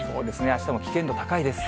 あしたも危険度高いです。